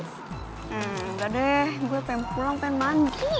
hmm enggak deh gue pengen pulang pengen mandi